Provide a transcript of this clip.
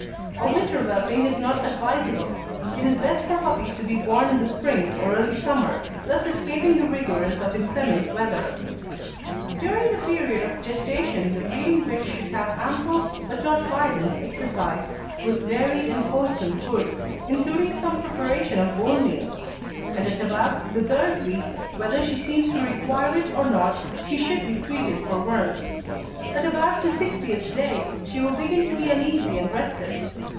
A winter whelping is not advisable. It is best for puppies to be born in the spring or early summer, thus escaping the rigours of inclement weather. During the period of gestation the breeding bitch should have ample but not violent exercise, with varied and wholesome food, including some preparation of bone meal; and at about the third week, whether she seems to require it or not, she should be treated for worms. At about the sixtieth day she will begin to be uneasy and restless.